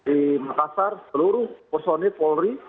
dan setelah itu di makassar seluruh personil polri